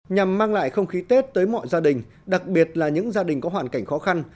nhằm mang lại không khí tết tới mọi gia đình đặc biệt là những gia đình có hoàn cảnh khó khăn